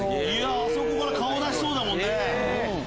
あそこから顔出しそうだもんね。